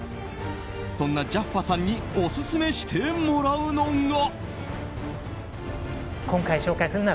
そんなジャッファさんにオススメしてもらうのが。